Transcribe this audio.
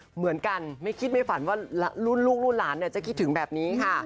เหมือนกันไม่คิดไม่ฝันว่ารุ่นลูกรุ่นหลานจะคิดถึงแบบนี้ค่ะ